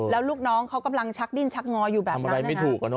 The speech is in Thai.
แล้วลูกน้องเขากำลังชักดิ้นชักงออยู่แบบนั้นอะไรไม่ถูก